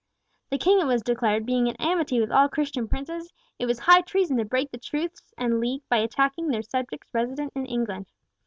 The King, it was declared, being in amity with all Christian princes, it was high treason to break the truce and league by attacking their subjects resident in England.